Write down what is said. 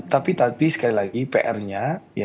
tapi tapi sekali lagi pr nya